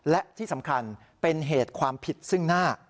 และที่สำคัญเป็นเหตุความผิดซึ่งหน้า